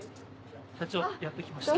社長やっと来ました。